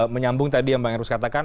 menyambung tadi yang bang erus katakan